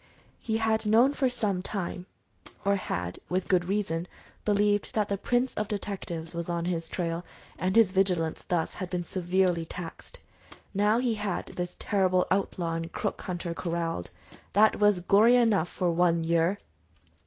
He had known for some time, or had, with good reason, believed that the prince of detectives was on his trail, and his vigilance thus had been severely taxed. Now he had this terrible outlaw and crook hunter corralled; that was glory enough for one year!